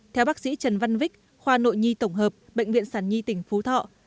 theo bác sĩ trần văn vích khoa nội nhi tổng hợp bệnh viện sản nhi tỉnh phú thọ